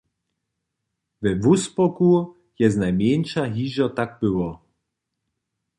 We Wósporku je znajmjeńša hižo tak było.